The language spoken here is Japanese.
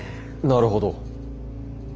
なるほど。